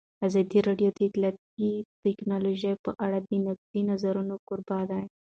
ازادي راډیو د اطلاعاتی تکنالوژي په اړه د نقدي نظرونو کوربه وه.